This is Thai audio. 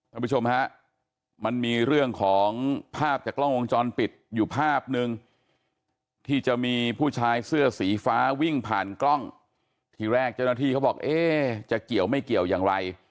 ท่านผู้ชมฮะมันมีเรื่องของภาพจากกล้องวงจรปิดอยู่ภาพนึงที่จะมีผู้ชายเสื้อสีฟ้าวิ่งผ่านกล้องทีแรกเจ้าหน้าที่เขาบอกเอ๊ะจะเกี่ยวไม่เกี่ยวอย่างไร